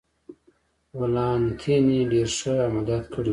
ولانتیني ډېر ښه عملیات کړي و.